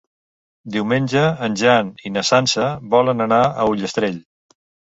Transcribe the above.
Diumenge en Jan i na Sança volen anar a Ullastrell.